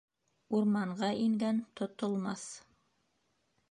Урманға ингән тотолмаҫ.